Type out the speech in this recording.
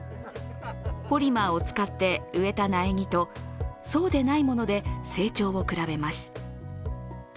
ポリマーを使って植えた苗木とそうでないもので成長を比べます。